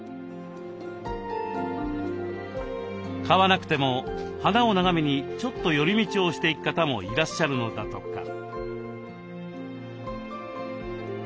買わなくても花を眺めにちょっと寄り道をしていく方もいらっしゃるのだとか。